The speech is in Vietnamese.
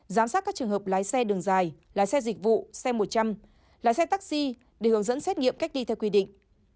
giám sát các trường hợp lái xe đường dài lái xe dịch vụ xe một trăm linh lái xe taxi để hướng dẫn xét nghiệm cách ly theo quy định